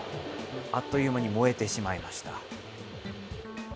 あっという間に燃えてしまいました。